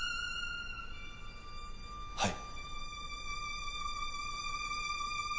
はい。